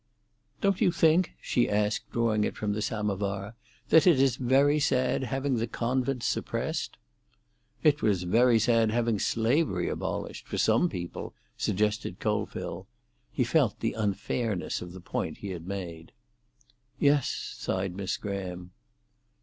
"Don't you think," she asked, drawing it from the samovar, "that it is very sad having the convents suppressed?" "It was very sad having slavery abolished—for some people," suggested Colville; he felt the unfairness of the point he had made. "Yes," sighed Miss Graham.